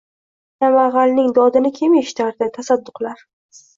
Kambag‘alning dodini kim eshitardi, tasadduqlar!